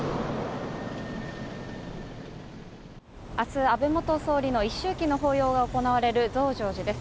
明日、安倍元総理の一周忌の法要が行われる増上寺です。